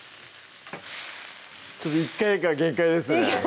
ちょっと１回が限界ですね